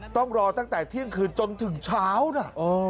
ต้องรอตั้งแต่เที่ยงคืนจนถึงเช้านะ